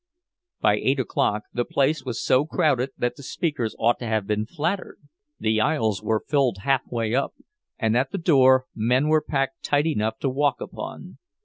By eight o'clock the place was so crowded that the speakers ought to have been flattered; the aisles were filled halfway up, and at the door men were packed tight enough to walk upon.